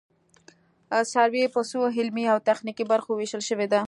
سروې په څو علمي او تخنیکي برخو ویشل شوې ده